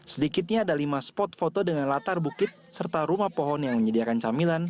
sedikitnya ada lima spot foto dengan latar bukit serta rumah pohon yang menyediakan camilan